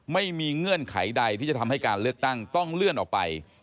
เงื่อนไขใดที่จะทำให้การเลือกตั้งต้องเลื่อนออกไป